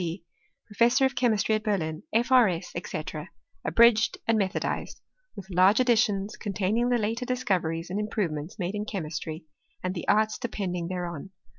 D., Professor of Che mistry at Berlin, F. R. S., &c. Abridged and me thodized ;• with large additions, containing the later discoveries and improvements made in Chemistry, and the arts depending thereon.